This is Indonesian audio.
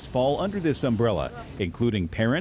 saudara istri istri istri atau keluarga lain